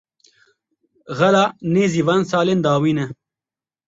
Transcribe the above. Xela nêzî van salên dawîn e.